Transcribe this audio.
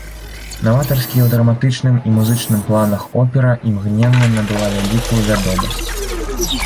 Наватарская ў драматычным і музычным планах опера імгненна набыла вялікую вядомасць.